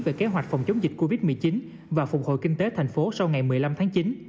về kế hoạch phòng chống dịch covid một mươi chín và phục hồi kinh tế thành phố sau ngày một mươi năm tháng chín